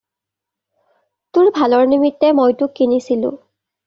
তোৰ ভালৰ নিমিত্তে মই তোক কিনিছিলোঁ।